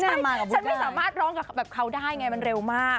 ฉันไม่สามารถร้องกับเขาได้ไงมันเร็วมาก